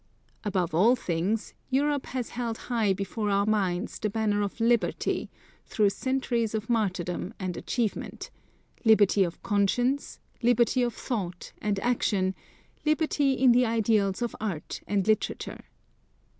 Above all things Europe has held high before our minds the banner of liberty, through centuries of martyrdom and achievement, liberty of conscience, liberty of thought and action, liberty in the ideals of art and literature.